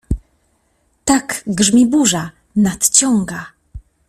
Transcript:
— Tak, grzmi, burza nadciąga.